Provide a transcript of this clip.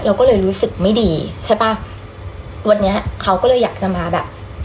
เราก็เลยรู้สึกไม่ดีใช่ป่ะวันนี้เขาก็เลยอยากจะมาแบบ